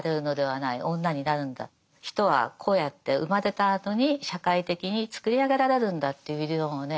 人はこうやって生まれたあとに社会的につくり上げられるんだという理論をね